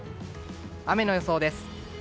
雨の予想です。